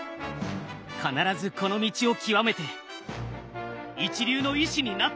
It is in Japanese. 必ずこの道を究めて一流の医師になってやる！